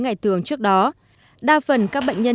ngày thường trước đó đa phần các bệnh nhân